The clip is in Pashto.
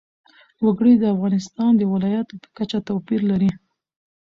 وګړي د افغانستان د ولایاتو په کچه توپیر لري.